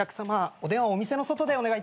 お電話はお店の外でお願いいたします。